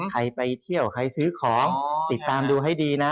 ใครไปเที่ยวใครซื้อของติดตามดูให้ดีนะ